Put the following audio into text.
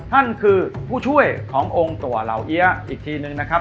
นั่นคือผู้ช่วยขององค์ตัวเหล่าเอี๊ยะอีกทีนึงนะครับ